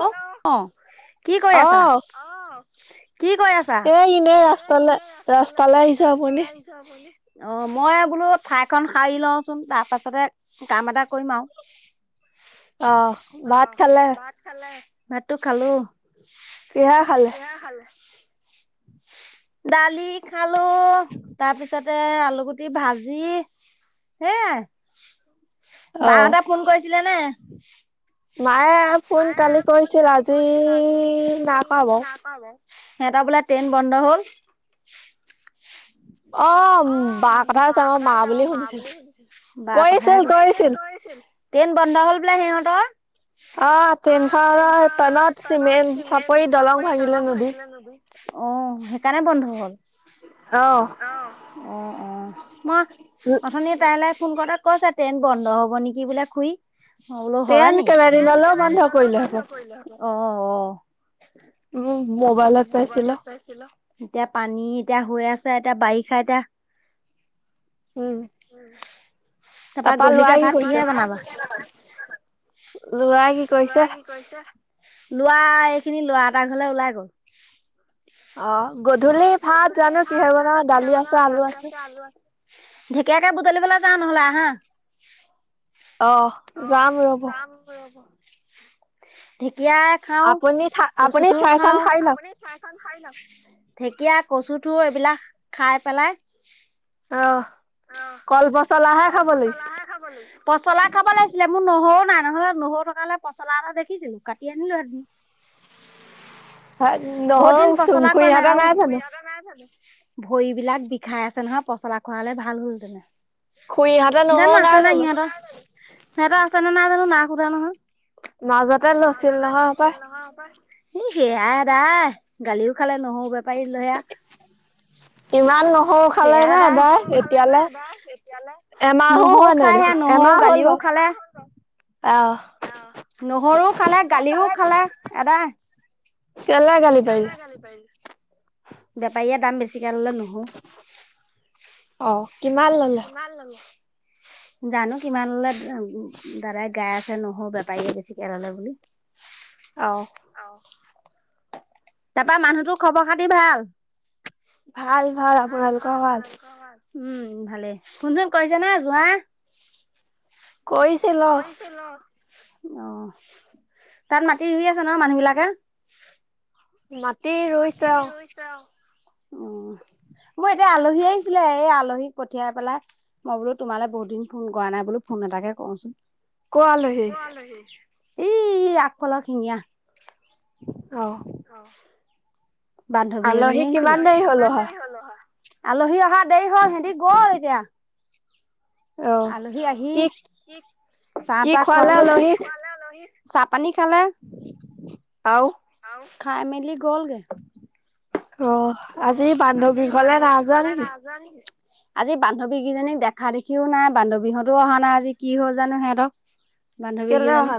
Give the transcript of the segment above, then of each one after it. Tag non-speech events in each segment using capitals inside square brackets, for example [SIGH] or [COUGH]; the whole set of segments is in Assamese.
হেল্ল' অ' কি কৈ আছা? আহ। কি কৈ আছা? অ' মই বোলো ঠাইখন সাৰি লওচোন তাৰ পাছতে, কাম এটা কৰিম আৰু। আহ ভাত খালে? ভাতটো খালো। কিহেৰে খালে? [UNINTELLIGIBLE] দালি খালো তাৰপিছতে আলু গুটি ভাজি। হেইয়াই, বাহঁতে ফোন কৰিছিলে নে? মায়ে ফোন কালি কৰিছিলে আজি নাই কৰা বাৰু। সিহ'তৰ বোলে ট্ৰেইন বন্ধ হ'ল? অ' বাৰ কথা কৈছে মাৰ মা বুলি শুনিছো, কৰিছিল কৰিছিল। ট্ৰেইন বন্ধ হ'ল বোলে সিহঁতৰ? অ' ট্ৰেইনখৰ টনত চিমেণ্ট চাপৰি দলং ভাঙিলে নদী। অ' সেইকাৰণে বন্ধ হ'ল। আহ। অ', অ' মই অথনি তাই লে ফোন কৰোতে, কৈছে ট্ৰেইন বন্ধ হব নেকি বোলে খুৰি, ম বোলো হয় নি? অ', অ'। বোলো মোবাইলত পাইছিলো। পাইছিলো। এতিয়া পানী এতিয়া হৈ আছে এতিয়া বাৰিষা এতিয়া। উম। [UNINTELLIGIBLE] তাৰপা গধূলিকে ভাত কিহে বনাবা? লোৱা এইখিনি ল'ৰা এটাৰ ঘৰলে ওলাই গল। অ' গধূলি ভাত জানো কিহে বনাও দালি আছে আলু আছে। আলু আছে। ঢেকীয়াকে বুটলিবলৈ যাওঁ নহ'লে আহা? অহ যাম ৰ'ব। ঢেকীয়া খাওঁ কচুঠোৰ খাওঁ। ঢেকীয়া কচু ঠোৰ এইবিলাক খাই পেলাই। আহ, কলপচলাহে খাব লাগিছিল। [UNINTELLIGIBLE] পচলা খাব লাগিছিলে মোৰ নহৰু নাই, নহ'লে নহৰু থকা হ'লে পচলা এটা দেখিছিলো কাটি আনিলো হেঁতেন। বহুত দিন পচলা খোৱা নাই। আউ ভৰিবিলাক বিষাই আছে নহয়, পচলা খোৱা হ'লে ভাল হ'ল হেতেন। জানো আছেনে নাই সিহঁত, সিহঁতৰ আছে নে নাই জানো নাই সুধা নহয়। মাজতে লৈছিল নহয়, [INAUDIBLE] [UNINTELLIGIBLE] সেয়া আদাই, গালিও খালে নহওঁ বেপাৰী লৈ আহ। সেয়া আদায়, [INAUDIBLE] নহওঁ খাই সেয়া নহৰু গালিও, খালে। অ, নহৰু খালে, গালিও খালে, এদাই [INAUDIBLE] বেপাৰীয়ে দাম বেছি [INAUDIBLE] অহ, কিমান ললো। জানো কিমান ল'লে, দাদাই গাই আছে নহৰু বেপাৰীয়ে বেছিকে ল'লে বুলি। অ, অ, তাৰ পা, মানুহটো খবৰ-খাতি ভাল? ভাল‌, ভাল‌ আপোনালোকৰ ভাল? উম, ভালেই ফোন-চোন কৰিছে ন, যোৱা কৈ কৰিছিলো অ, তাত মাটি ৰুই আছে ন, মানুহ বিলাকে? মাটি ৰুইছে অ, মোৰ এতিয়া আলহী আহিছিলে। এই আলহীক পঠিয়াই পেলাই। মই বোলো, তোমালে বহুত দিন ফোন কৰা নাই বোলো ফোন এটাকে কৰোচোন। ক'ৰ আলহি ই, আগফালৰ শিঙীয়া। অ, [INAUDIBLE] বান্ধৱী এজনী আহিছিলে। বান্ধৱী কিমান দেৰি হ'ল আলহী অহা, দেৰি হ'ল সিহঁতি গ'ল এতিয়া। আলহী আহি, চাহ-তাহ খোৱালো, কি খোৱালে চাহ-পানী খালে। আৰু খাই মেলি, গ'লগে। অ, আজি বান্ধৱী ঘৰলে নাই যোৱা নেকি? [INAUDIBLE] আজি বান্ধৱীকেইজনীক দেখা দেখিও নাই। বান্ধৱীহতো অহা নাই আজি কি হ'ল জানো সিহঁতক? বান্ধৱী কেইজনী,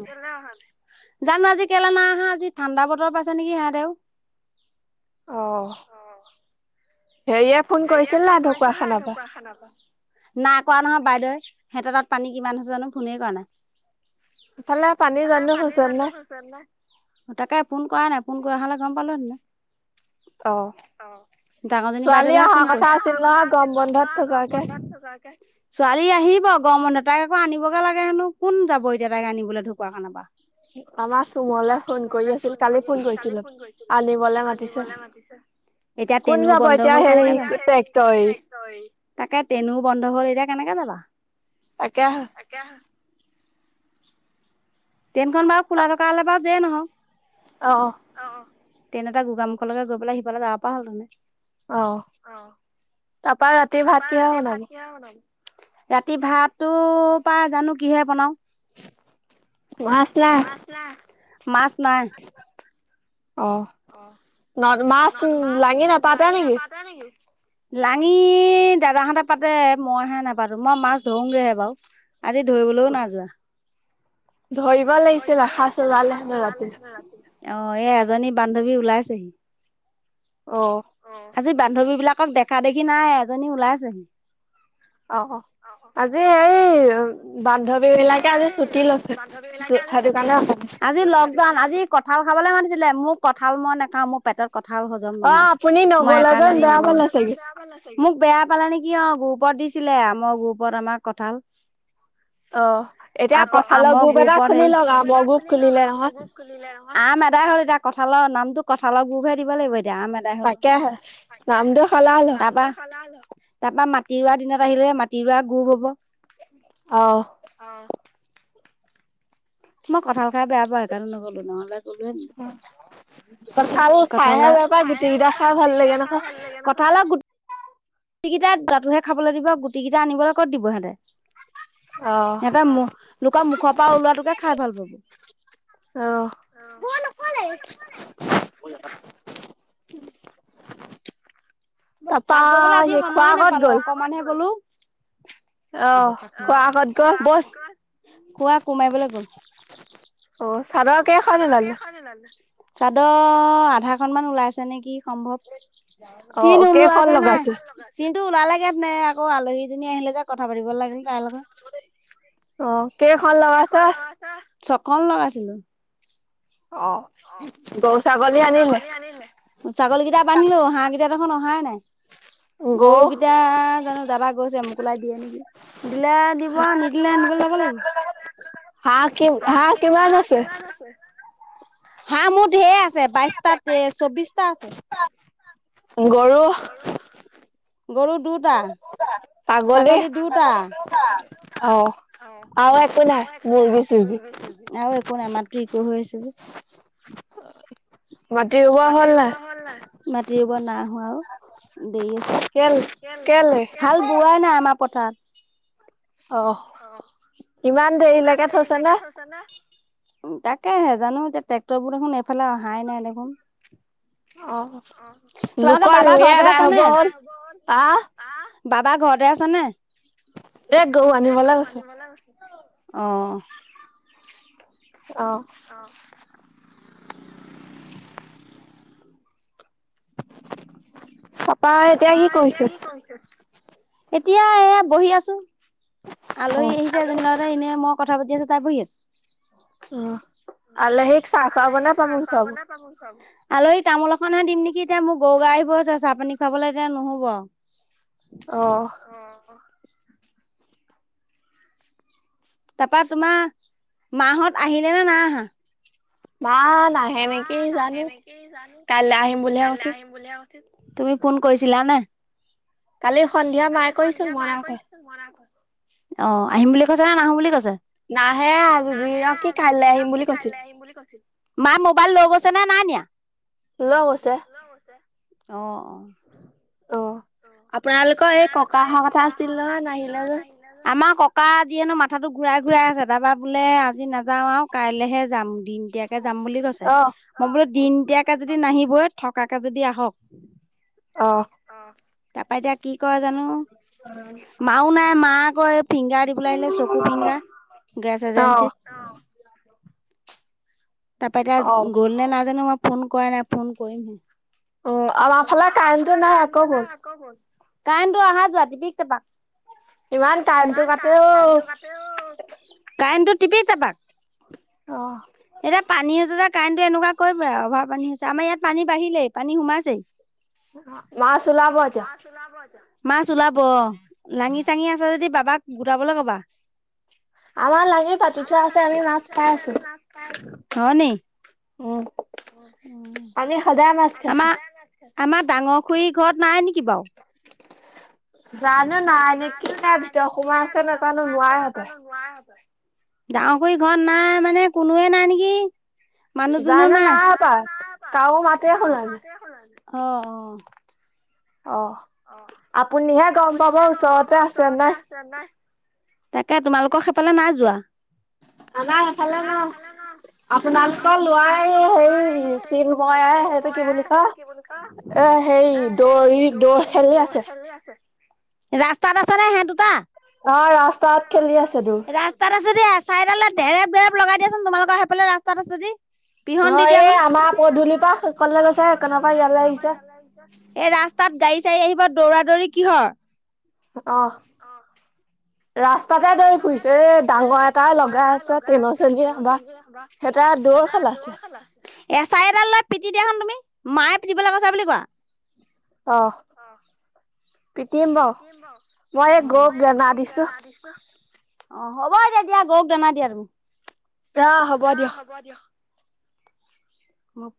জানো আজি কেলা নাই, অহা আজি ঠাণ্ডা বতৰ পাইছে নেকি, সেহঁতেও। অ, অ, হেইয়ে হেইয়ে ফোন কৰিছিল না, ঢকুৱাখানাৰ পৰা? নাই, কৰা নহয় বাইদেউ, হহঁতৰ তাত পানী কিমান হৈছে জানো ফোনেই কৰা নাই। সেইফালে পানী জানো, হৈছে নে নাই। [INAUDIBLE] তাকে ফোন কৰা নাই, ফোন কৰা হ'লে গম পালোহেঁতেন। অ, ডাঙৰজনী বাইদেউ লেহে কালি অহা কথা আছিলে নহয়, গৰম বন্ধত থকাকে। ছোৱালী আহিব গৰম বন্ধত, তাইক আকৌ আনিবগে লাগে হেনো, কোন যাব এতিয়া তাইক আনিবলে ঢকুৱাখনা পা। আমাৰ চুমলে ফোন কৰি আছিল, কালি ফোন কৰিছিলো, আনিবলৈ মাতিছে। কোন যাব এতিয়া হেই, [UNINTELLIGIBLE] [UNINTELLIGIBLE] তাকে ট্ৰেইনো বন্ধ হল এতিয়া কেনেকে যাবা। তাকেহে। তাকেহে। ট্ৰেইনখন বাৰু খোলা থকা হ'লে বাৰু যে নহওক। অ'। অ', ট্ৰেইনতে গোগামুখলৈকে গৈ পেলাই সিফালে যাব পৰা হ'ল [UNINTELLIGIBLE] অ', তাৰপা ৰাতিৰ ভাত কিহেৰে বনাব? ৰাতি ভাততো পা জানো কিহে বনাও। মাছ নাই? মাছ নাই। অ', ন মাছ লাঙি নাপাতেই নেকি? [UNINTELLIGIBLE] লাঙি দাদাহঁতে পাতে, মইহে নাপাতো মই মাছ ধৰুঙগেহে বাৰু। আজি ধৰিবলৈও নাই যোৱা। ধৰিব লাগিছিলে এসাজ ওলালে হেতেন ৰাতি। অ', এই এজনী বান্ধৱী ওলাইছেহি। অ'। আজি বান্ধৱী বিলাকক দেখা দেখি নাই, এজনী ওলাইছেহি। অ', আজি এই বান্ধৱী বিলাকে আজি ছুটি লৈছে, সেইটো কাৰণে [UNINTELLIGIBLE] আজি কঁঠাল খাবলৈ মাতিছিলে। মোক কঠাল মই নেখাওঁ মোৰ পেটত কঁঠাল হজম নহয়, মই সেইকাৰণে নগলো। মোক বেয়া পালা নেকি অ', গ্ৰুপত দিছিলে মই গ্ৰুপত আমাক কঁঠাল অ', এতিয়া কঠালৰ গ্ৰুপ এটা খুলি লওক আৰু, আমৰ গ্ৰুপ খুলিলে নহয়। আম এদাই হ'ল, এতিয়া কঁঠালৰ নামটো কঠালৰ গ্ৰুপহে দিব লাগিব এতিয়া আম এ [UNINTELLIGIBLE] তাকেহে, তাৰপা। [UNINTELLIGIBLE] তাৰ পৰা মাটি ৰোৱা দিনত আহিলে মাটি ৰোৱা গ্ৰুপ হ'ব। অ'। অ'। মই কঠাল খাই বেয়া পাওঁ সেইকাৰণে নগ'লো নহ'লে [UNINTELLIGIBLE] কঁঠাল খাইহে বেয়া পায়, গুটি কেইটা খাই ভাল লাগে নহয়। গুটি কেইটা দাটোহে খাবলৈ দিব, গুটি কেইটা আনিবলৈ কত দিব সিহঁতে। সিহতে মু, লোকৰ মুখৰ পৰা ওলোৱাটোকে খাই ভাল পাব। অহ। [UNINTELLIGIBLE] তাপা সেই খোৱা আগত গ'ল। অকমানহে গলো। অ'। [UNINTELLIGIBLE] কোৱা কোৰ মাৰিবলৈ গল। অ', চাদৰ কেইখন ওলালে? [UNINTELLIGIBLE] চাদৰ আধা খন মান ওলাইছে নেকি সম্ভৱ, চিন ওলোৱাকে নাই। কোৱা চিনটো ওলালেগে নে আকৌ আলহী জনী আহিলে যে কথা পাতিব লাগিল তাৰ লগত। অহ কেইখন লগাইছে। চা ছখন লগাইছিলোঁ অহ। অহ গৰু ছাগলী আনিলে উম ছাগলী কেইটা বান্ধিলোঁ হাঁহ কেইটা দেখোন অহাই নাই। গৰুকেইটা জানোঁ দাদা গৈছে মোকোলাই দিয়ে নেকি। দিলে দিব আও নিদিলে আনিব যাব লাগিব আ নিদিলে। হাঁহ কিম হাঁহ কিমান আছে। হাঁহ মোৰ ঢেৰ আছে বাইশটা তে চৌবিশটা আকৌ। উম গৰু। গৰু দুটা। ছাগলী, ছাগলী দুটা অহ। আও একো নাই মুৰ্গী চুৰগী। আও একো নাই মাততো ইক হৈ আছে যে। মাটি ৰোৱা হ'ল নাই। মাটি ৰুব নাই হোৱা আও দেৰি আছে কেল কেলে হাল বোৱাই নাই আমা। পথাত। অহ ইমান দেৰিলেকে থৈছে নে। উম তাকেহে জানো এতিয়া ট্ৰেক্টৰবোৰ দেখোন এইফালে অহাই নাই দেখোন। অহ তোমালোকে বাবা ঘৰতে আছা নে এতিয়া যে এদাই হ'ব হ'ল। আহ বাবা ঘৰতে আছা নে। এ গৰু আনিবলে গৈছে। একলে গৈছে। অহ'। অহ'। অহ'। পাপাই এতিয়া কি কৰিছে। কৰিছে এতিয়া এ বহি আছোঁ আলহী আহি। ছে এজন লৰা এটাই এনেই মই কথা পাতি আছোঁ তাই বহি আছ। আলহী চহা খোৱাব নে তামোল খোৱাব। আলহী তামোল এখনহে দিম নেকি এতিয়া মোৰ গৰু গা আহিব হৈছে চাহ পানী খোৱাবলে এতিয়া নহ'ব আও। অ'হ। তাপা তোমাৰ মাহঁত আহিলে না নাই অহা। মাঁ নাহে নে। মা নাহে নেকি জান কাইলে আহিম বুলি কৈছে তুমি ফোন কৰিছিলা নাই। কালি সন্ধিয়া মায়ে কৰিছিল মই নাইকোৱা। মই না অ' আহিম বুলি কৈছে না নাহোঁ বুলি কৈছে। নাহে আও আজি যি অ কি কাইলে আহিম বুলি কৈছিল। আহিম বুলি কৈছিল। মা মোবাইল লৈ গৈছে নে নাই নিয়া। লৈ গৈছে। লৈ গৈছে অ'হ। অ', আপোনালোকৰ এই ককা অহা কথা আছিল নহয় নাহিলে যে। নাহিলে যে আমা ককা আজি হেনো মাথাতো ঘূৰাই ঘূৰাই আছে তাপা বোলে আজি নাযাওঁ আও কাইলেহে যাম। দিনতিয়াকে যাম বুলি কৈছে মই বোলো দিনতিয়াকে যদি নাহিবই থকাকে যদি আহক। অ'। তাৰপৰা এতিয়া কি কৰে জানো। অ মাও নাই মা আক ফিংগাৰ দিবলৈ আহিলে চকু ফিংগাৰ গেছ এজেঞ্চিত। তাৰপৰা এতিয়া গ'ল নে নাই জানো মই ফোন কৰা নাই ফোন কৰিমহে। অ আমাৰ ফালে কাৰেনটো নাই আকৌ গল আকৌ গল কাইনটো অহা যোৱা টিপিক টেপাক। ইমান কাইনটো কাটে অও কাৰেণ্টটো টিপিক টাপাক। অ'। এতিয়া পানী হৈছে যে কাৰেণ্টটো এনেকুৱা কৰিব‌ আও অভাৰ পানী হৈছে আমাৰ ইয়াত পানী বাঢ়িলেই পানী সোমাইছেই। মাছ ওলাব এতিয়া মাছ ওলাব অ লাঙি চাঙি আছে যদি বাবাক গোটাবলে কবা। আমাৰ লাঙি পাতি থোৱা আছে আমি মাছ খাই আছো। খাই আছ হয় নি উম আমি সদায় মাছ খাইছো আমাৰ ডাঙৰ খুৰী ঘৰত নাই নেকি বাও জানো নাই নেকি নে ভিতৰত সোমাই আছে নাজানো নোৱাৰে হপাই নোৱাৰে হপাই ডাঙৰ খুৰী ঘৰত নাই মানে কোনোৱে নাই নেকি মানুহ দুনুহ নাই বা কাও মাতে শুনা নাই মাতে শুনা নাই অ অ অ আপুনিহে গম পাব ওচৰতে আছে নে নাই [UNINTELLIGIBLE] তাকে তোমালোকৰ সেইফালে নাই যোৱা আমৰ এইফালে নাই আপোনালোকৰ লৰাই সেই হেৰি চিন কৰে সেইটো কি বুলি কয় এ সেই দৌৰি দৌৰ খেলে আছে দৌৰি আছে ৰাস্তাত আছে নে সিহঁত দুটা অ ৰাস্তাত খেলি আছে তোৰ তাত আছে যদি এচাৰি এদালেৰে ধেৰেব ধেৰেব লগাই দিয়াচোন তোমালোকৰ সেইফালে ৰাস্তাত আছে যদি অ' এই আমাৰ পদূলিৰ পৰা সেইকণলে গৈছে একনৰ পৰা ইয়ালে আহিছে [UNINTELLIGIBLE] এই ৰাস্তাত গাড়ী চাড়ি আহিব দৌৰা দৌৰি কিহৰ অহ ৰাস্তাতে দৌৰি ফুৰিছে এ ডাঙৰ এটাই লগাই আছে [UNINTELLIGIBLE] এটাই দৌৰ খেলাইছে এচাৰি এডাল লৈ পিটি দিয়া চোন তুমি মায়ে পিটিবলৈ কৈছে বুলি কোৱা অ পিটিম বাৰু মই এই গৰুক দানা দিছো অ হ'ব তেতিয়া গৰুক দানা দিয়া তুমি আ হ'ব দিয়ক অ